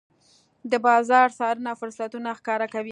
د بازار څارنه فرصتونه ښکاره کوي.